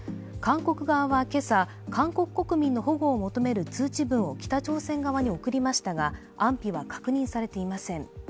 韓国側は今朝、韓国国民の保護を求める通知文を北朝鮮側に送りましたが安否は確認されていません。